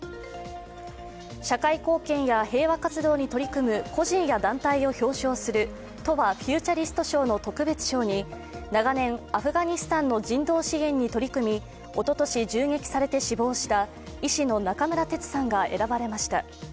社会貢献や平和活動に取り組む個人や団体を表彰する澄和フューチャリスト賞の特別賞に長年、アフガニスタンの人道支援に取り組みおととし銃撃されて死亡した医師の中村哲さんが選ばれました。